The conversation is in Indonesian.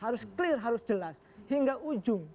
harus clear harus jelas hingga ujung